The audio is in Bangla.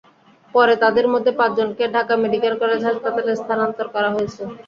পরে তাঁদের মধ্যে পাঁচজনকে ঢাকা মেডিকেল কলেজ হাসপাতালে স্থানান্তর করা হয়েছে।